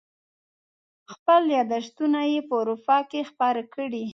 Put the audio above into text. خپل یاداشتونه یې په اروپا کې خپاره کړي.